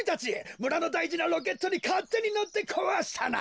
むらのだいじなロケットにかってにのってこわしたな！